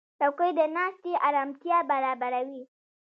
چوکۍ د ناستې آرامتیا برابروي.